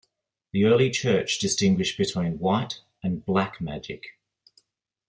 The early Church distinguished between "white" and "black" magic.